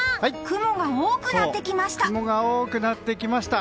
雲が多くなってきました。